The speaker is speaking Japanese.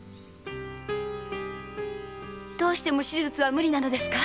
どうしても手術は無理なのですか？